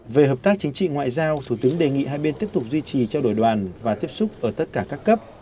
về hợp tác chính trị ngoại giao thủ tướng đề nghị hai bên tiếp tục duy trì trao đổi đoàn và tiếp xúc ở tất cả các cấp